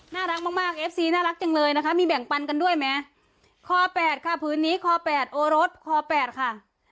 น่ารักมากนะรักจังเลยนะคะมีแบ่งปันกันด้วยไหมค๘ค่ะภืนนี้ค๘โอรสค๘ค่ะ